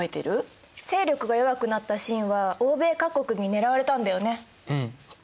勢力が弱くなった清は欧米各国に狙われたんだよね。